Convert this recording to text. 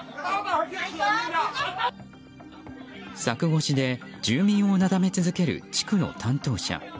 柵越しで住民をなだめ続ける地区の担当者。